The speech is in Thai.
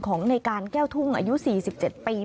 ของในการแก้วทุ่งอายุ๔๗ปี